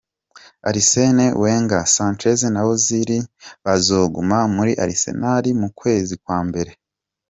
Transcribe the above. Arsene Wenger: Sanchez na Ozil bazoguma muri Arsenal mu kwa mber.